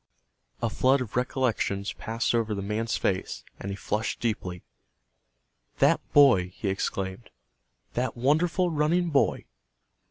A flood of recollections passed over the man's face, and he flushed deeply. "That boy!" he exclaimed. "That wonderful running boy?"